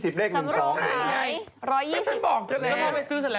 สำโลงขาย๑๒๐งั้นมันออกไปซื้อเสร็จแล้ว